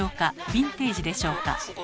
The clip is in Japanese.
ヴィンテージでしょうか？